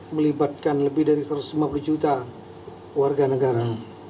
melibatkan lebih dari satu ratus lima puluh juta warga negara